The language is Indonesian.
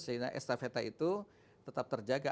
sehingga estafeta itu tetap terjaga